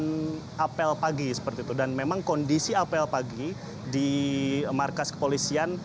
dan apel pagi seperti itu dan memang kondisi apel pagi di markas kepolisian